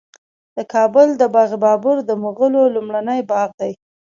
د کابل د باغ بابر د مغلو لومړنی باغ دی